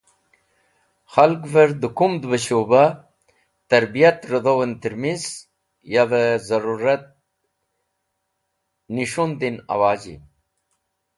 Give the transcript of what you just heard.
Khalgver de kumd be Shuba tarbiyat rẽdhowen termis yawe zarurat nis̃hun din awaji.